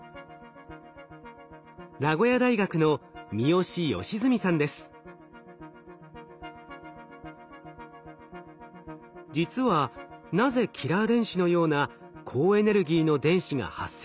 名古屋大学の実はなぜキラー電子のような高エネルギーの電子が発生するのか